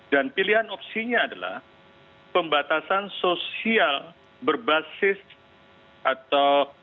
dan pilihan opsinya adalah pembatasan sosial berbasis atau